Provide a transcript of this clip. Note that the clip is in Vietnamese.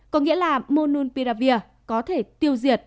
có nghĩa là mononpiravir có thể tiêu diệt